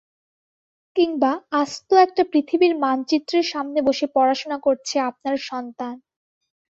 কিংবা আস্ত একটা পৃথিবীর মানচিত্রের সামনে বসে পড়াশোনা করছে আপনার সন্তান।